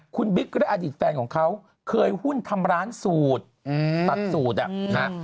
คุณบิ๊กและอดีตแฟนของเขาเคยหุ้นทำร้านสูตรตัดสูตรอ่ะนะ